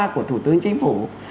của thủ tướng chính phủ